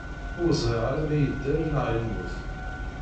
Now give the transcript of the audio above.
Ur ẓriɣ ara ma yedder neɣ yemmut.